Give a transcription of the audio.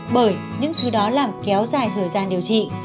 bởi những thứ đó làm kéo dài thời gian điều trị